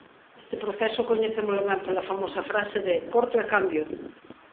Este proceso coñecémolo ben pola famosa frase de "corto e cambio".